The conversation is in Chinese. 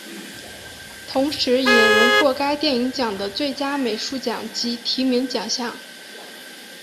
同时也荣获该电影奖的最佳美术奖及提名奖项。